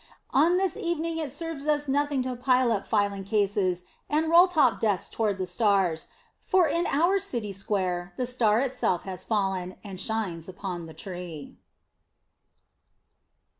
On this evening it serves us nothing to pile up filing cases and rolltop desks toward the stars, for in our city square the Star itself has fallen, and shines upon the Tree.